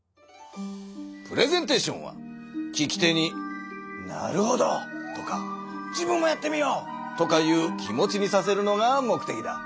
プレゼンテーションは聞き手に「なるほど！」とか「自分もやってみよう！」とかいう気持ちにさせるのが目てきだ。